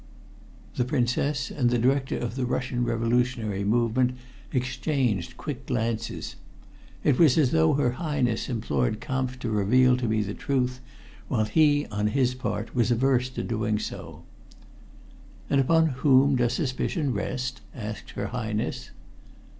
The Princess and the director of the Russian revolutionary movement exchanged quick glances. It was as though her Highness implored Kampf to reveal to me the truth, while he, on his part, was averse to doing so. "And upon whom does suspicion rest?" asked her Highness.